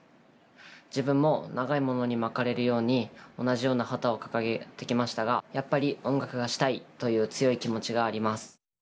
自分も長いものに巻かれるように同じような旗を掲げてきましたがやっぱり音楽がしたいという強い気持ちがあります。